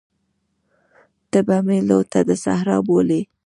ته به مي لوټه د صحرا بولې